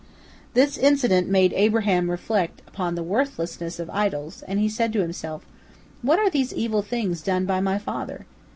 This incident made Abraham reflect upon the worthlessness of idols, and he said to himself: "What are these evil things done by my father?